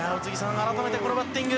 改めてこのバッティング。